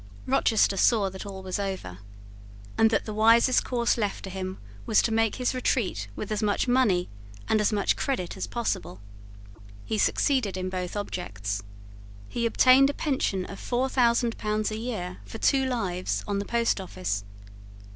Rochester saw that all was over, and that the wisest course left to him was to make his retreat with as much money and as much credit as possible. He succeeded in both objects. He obtained a pension of four thousand pounds a year for two lives on the post office.